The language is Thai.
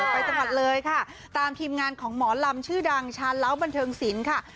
ไปตรวจเลยค่ะตามทีมงานของหมอลำชื่อดังชาเลาะบันเทิงสินค่ะ